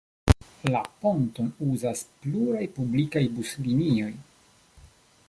La ponton uzas pluraj publikaj buslinioj.